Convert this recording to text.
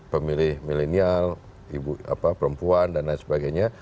pemilih milenial perempuan dan lain sebagainya